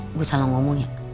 ibu salah ngomong ya